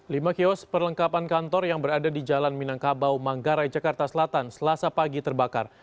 lima kios perlengkapan kantor yang berada di jalan minangkabau manggarai jakarta selatan selasa pagi terbakar